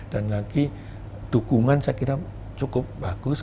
dan lagi dukungan saya kira cukup bagus